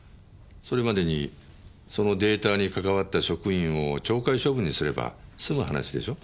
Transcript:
それまでにそのデータにかかわった職員を懲戒処分にすれば済む話でしょ？